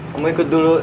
kamu ikut dulu